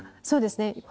そうですね。